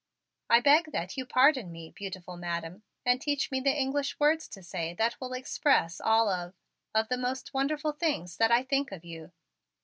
"I beg that you pardon me, beautiful Madam, and teach me the English words to say that will express all of of the most wonderful things that I think of you.